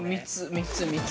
３つ、３つ。